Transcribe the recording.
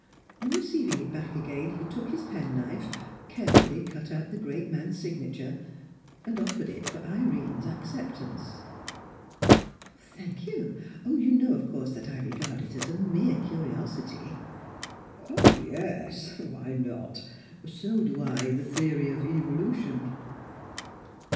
On receiving it back again, he took his penknife, carefully cut out the great man's signature, and offered it for Irene's acceptance. "Thank you. But you know, of course, that I regard it as a mere curiosity." "Oh, yes! Why not? So do I the theory of Evolution."